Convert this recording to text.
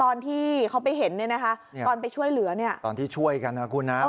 ตอนที่เขาไปเห็นเนี่ยนะคะตอนไปช่วยเหลือเนี่ยตอนที่ช่วยกันนะคุณนะ